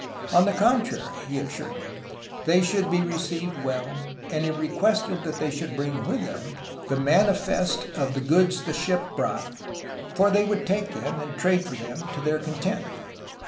On the contrary, he assured them, they should be received well, and he requested that they should bring with them the mani fest of the goods the ship brought, for they would take them and trade for them to their content.